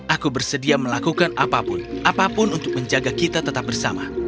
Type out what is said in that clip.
aku bersedia melakukan apapun apapun untuk menjaga kita tetap bersama